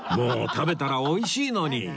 食べたらおいしいのに